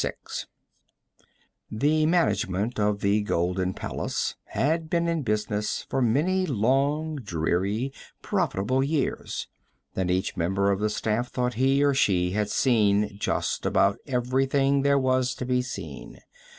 VI The management of the Golden Palace had been in business for many long, dreary, profitable years, and each member of the staff thought he or she had seen just about everything there was to be seen.